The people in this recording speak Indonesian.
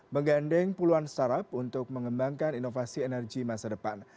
menggandeng puluhan startup untuk mengembangkan inovasi energi masa depan